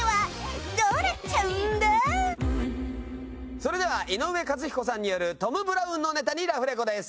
それでは井上和彦さんによるトム・ブラウンのネタにラフレコです。